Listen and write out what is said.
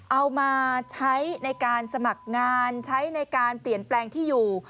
เอามาใช้ในการสมัครงานใช้ในการเปลี่ยนแปลงที่อยู่